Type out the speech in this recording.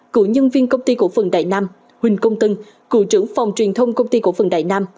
cựu nhân viên công ty cổ phần đại nam huỳnh công tân cựu trưởng phòng truyền thông công ty cổ phần đại nam